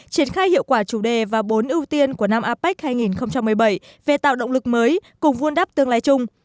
triển khai hiệu quả chủ đề và bốn ưu tiên của năm apec hai nghìn một mươi bảy về tạo động lực mới cùng vun đắp tương lai chung